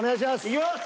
いきます！